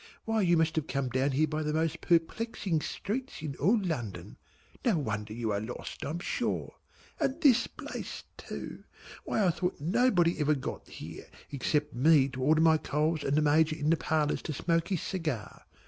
Why you must have come here by the most perplexing streets in all London. No wonder you are lost, I'm sure. And this place too! Why I thought nobody ever got here, except me to order my coals and the Major in the parlours to smoke his cigar!"